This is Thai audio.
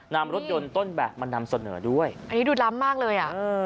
นำรถยนต์ต้นแบบมานำเสนอด้วยอันนี้ดูล้ำมากเลยอ่ะเออ